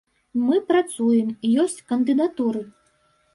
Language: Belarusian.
Мы працуем, ёсць кандыдатуры.